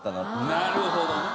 なるほどね。